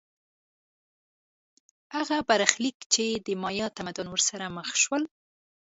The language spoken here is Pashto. هغه برخلیک چې د مایا تمدن ورسره مخ شول